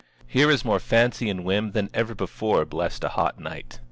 Here is more fancy and whim than ever before blessed a hot night.